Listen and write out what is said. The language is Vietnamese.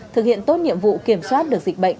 thực hiện tốt nhiệm vụ kiểm soát được dịch bệnh